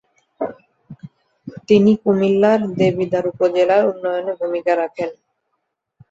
তিনি কুমিল্লার দেবিদ্বার উপজেলার উন্নয়নে ভূমিকা রাখেন।